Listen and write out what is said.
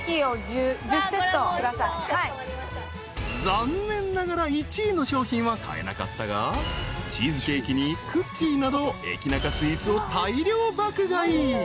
［残念ながら１位の商品は買えなかったがチーズケーキにクッキーなど駅ナカスイーツを大量爆買い］